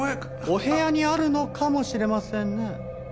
お部屋にあるのかもしれませんね。